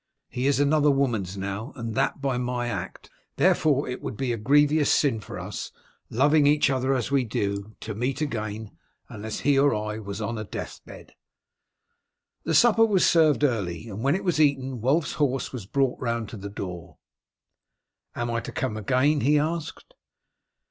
He is another woman's now, and that by my act, therefore it would be a grievous sin for us, loving each other as we do, to meet again, unless he or I was on a death bed." The supper was served early, and when it was eaten Wulf's horse was brought round to the door. "Am I to come again?" he asked.